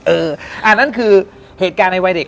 อันนั้นคือเหตุการณ์ในวัยเด็ก